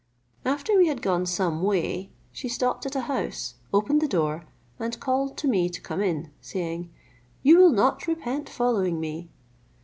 After we had gone some way, she stopped at a house, opened the door, and called to me to come in, saying, "You will not repent following me."